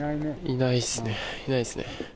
いないですね。